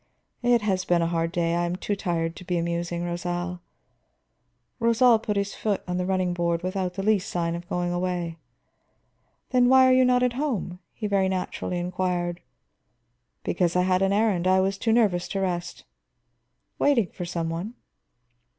"It has been a hard day. I am too tired to be amusing, Rosal." Rosal put his foot on the running board without the least sign of going away. "Then why are you not at home?" he very naturally inquired. "Because I had an errand; I was too nervous to rest." "Waiting for some one?"